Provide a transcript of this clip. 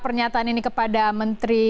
pernyataan ini kepada menteri